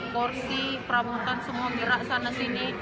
korsi perabotan semua dirak sana sini